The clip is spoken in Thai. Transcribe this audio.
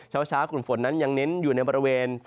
เช้ากลุ่มฝนนั้นยังเน้นอยู่ในบริเวณ